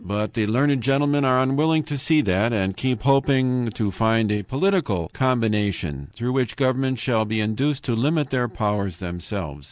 But the learned gentlemen are unwilling to see that, and keep hoping to find a political combination, through which governments shall be induced to limit their powers themselves.